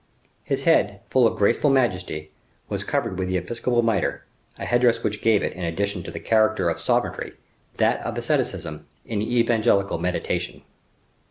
His head, full of graceful majesty, was covered with the episcopal mitre, a headdress which gave it, in addition to the character of sovereignty, that of asceticism and evangelic meditation.